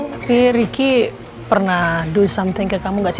tapi ricky pernah do something ke kamu gak sih